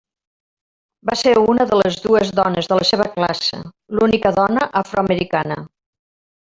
Va ser una de les dues dones de la seva classe, l'única dona afroamericana.